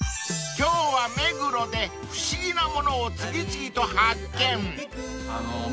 ［今日は目黒で不思議なものを次々と発見］